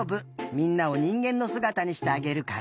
みんなをにんげんのすがたにしてあげるから。